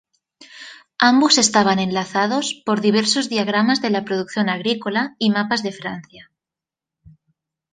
Ambos estaban enlazados por diversos diagramas de la producción agrícola y mapas de Francia.